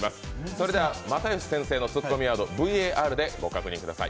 それでは又吉先生のツッコミワードＶＡＲでご確認ください。